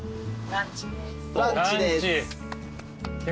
ランチです。